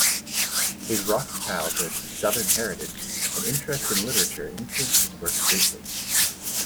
His rocky childhood, southern heritage, and interest in literature influenced his work greatly.